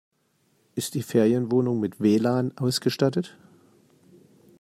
Ist die Ferienwohnung mit WLAN ausgestattet?